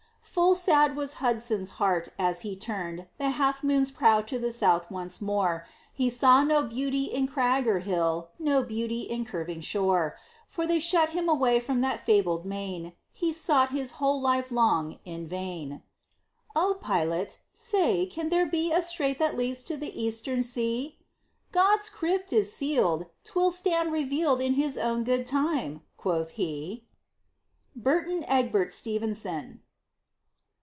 Full sad was Hudson's heart as he turned The Half Moon's prow to the South once more; He saw no beauty in crag or hill, No beauty in curving shore; For they shut him away from that fabled main He sought his whole life long, in vain: "O Pilot, say, can there be a strait that leads to the Eastern Sea?" "God's crypt is sealed! 'Twill stand revealed in His own good time," quoth he. BURTON EGBERT STEVENSON.